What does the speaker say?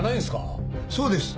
そうです。